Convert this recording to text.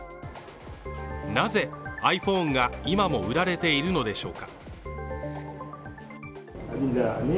なぜｉＰｈｏｎｅが今も売られているのでしょうか